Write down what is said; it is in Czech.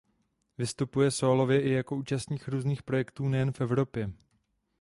Vystupuje sólově i jako účastník různých projektů nejen v Evropě.